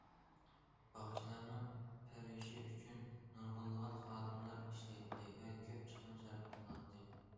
باغچىلارنىڭ پەرۋىشى ئۈچۈن نۇرغۇنلىغان خادىملار ئىشلەيتتى ۋە كۆپ چىقىم سەرپ قىلىناتتى.